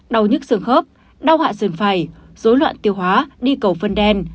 đau nhức xương khớp đau hạ xương phầy dối loạn tiêu hóa đi cầu phân đen